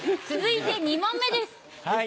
続いて２問目です。